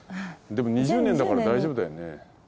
でも２０年だから大丈夫だよね。